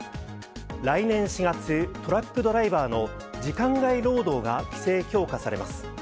来年４月、トラックドライバーの時間外労働が規制強化されます。